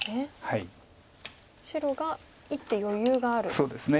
白が１手余裕があるコウです。